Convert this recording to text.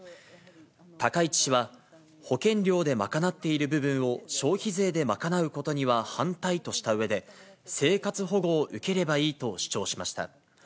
高市氏は、保険料で賄っている部分を消費税で賄うことには反対としたうえで、生活保護を受ければいいと主張しました。